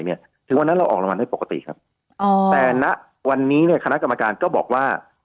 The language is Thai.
มันก็ออกรามันให้ปกติครับแต่วันนี้คณะกรรมการก็บอกว่า